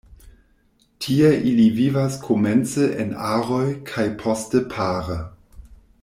Tie ili vivas komence en aroj kaj poste pare.